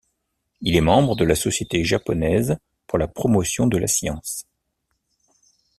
Il est membre de la Société japonaise pour la promotion de la science.